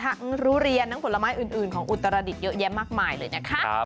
ทั้งทุเรียนทั้งผลไม้อื่นของอุตรดิษฐ์เยอะแยะมากมายเลยนะคะ